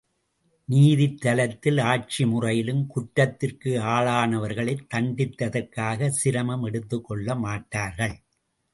நீதித் தலத்தில் ஆட்சி முறையிலும், குற்றத்திற்கு ஆளானவர்களைத் தண்டித்தற்காகச் சிரமம் எடுத்துக்கொள்ள மாட்டார்கள்.